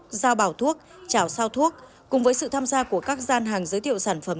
thuốc giao bảo thuốc chảo sao thuốc cùng với sự tham gia của các gian hàng giới thiệu sản phẩm